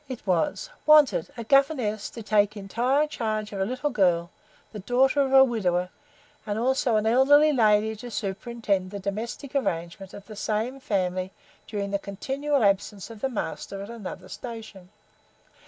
It was, "Wanted, a governess to take the entire charge of a little girl, the daughter of a widower, and also an elderly lady, to superintend the domestic arrangements of the same family during the continual absence of the master at another station."